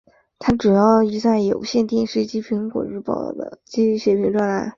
她主要在有线电视及苹果日报等主持赛马节目及撰写马评专栏。